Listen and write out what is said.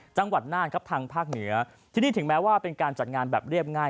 จังหวัดน่านครับทางภาคเหนือที่นี่ถึงแม้ว่าเป็นการจัดงานแบบเรียบง่าย